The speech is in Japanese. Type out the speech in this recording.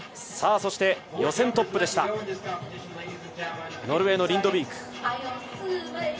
予選トップでした、ノルウェーのリンドビーク。